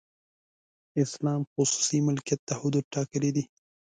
اسلام خصوصي ملکیت ته حدود ټاکلي دي.